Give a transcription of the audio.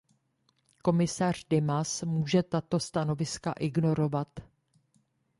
Komisař Dimas může tato stanovisko ignorovat.